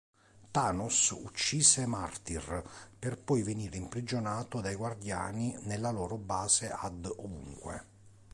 Thanos uccise Martyr per poi venire imprigionato dai Guardiani nella loro base ad Ovunque.